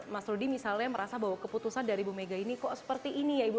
mas rudy misalnya merasa bahwa keputusan dari bu mega ini kok seperti ini ya ibu